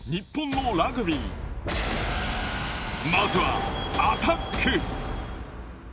まずはアタック。